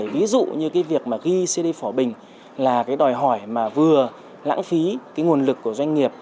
ví dụ như việc ghi cd phỏ bình là đòi hỏi vừa lãng phí nguồn lực của doanh nghiệp